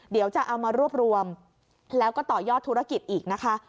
เดี๋ยวจะเอามารวบรวมแล้วก็ต่อยอดธุรกิจอีกนะคะ